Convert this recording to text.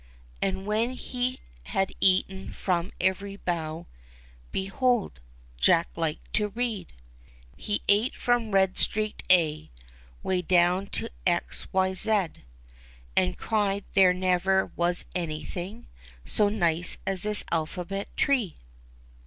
And when he had eaten from every bough, Behold, J ack liked to read I He ate from red streaked A Way down to X, Y, Z, And cried :" There never was anything So nice as this Alphabet tree